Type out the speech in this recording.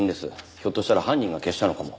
ひょっとしたら犯人が消したのかも。